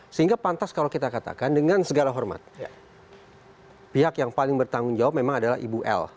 sehingga pantas kalau kita katakan dengan segala hormat pihak yang paling bertanggung jawab memang adalah ibu l